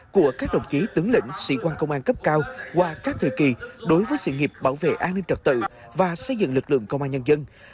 của các đồng chí tướng lĩnh sĩ quan công an cấp cao qua các thời kỳ đối với sự nghiệp bảo vệ an ninh trật tự và xây dựng lực lượng công an nhân dân